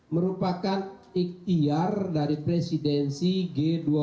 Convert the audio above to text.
merupakan ikhtiar dari presidensi g dua puluh